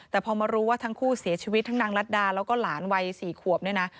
แต่พอมารู้ว่าทั้งคู่เสียชีวิตทั้งนางรัฐดาแล้วก็หลานวัย๔ขวบเนี่ยนะ